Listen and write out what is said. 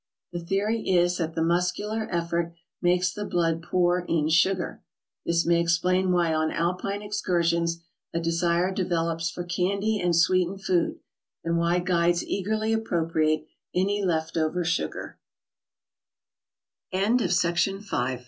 The theory is that the muscular effort makes the blood poor in sugar. This may explain why on Alpine excursions a desire developes for candy and sweet ened food, and why guides eagerly appropriate any left over